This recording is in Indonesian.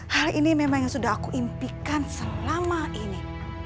hal ini memang yang sudah aku impikan selama ini